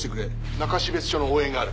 中標津署の応援がある。